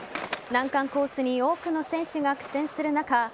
難関コースに多くの選手が苦戦する中